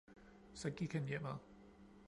Så gik han hjemad.